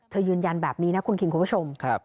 ยืนยันแบบนี้นะคุณคิงคุณผู้ชม